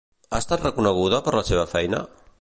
Ha estat reconeguda per la seva feina?